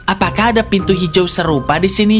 apakah ada pintu hijau serupa di sini